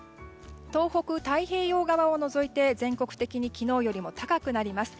東北の太平洋側を除いて全国的に昨日よりも高くなります。